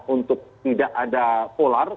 untuk tidak ada polar